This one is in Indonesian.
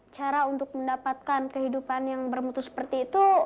cara untuk mendapatkan kehidupan yang bermutu seperti itu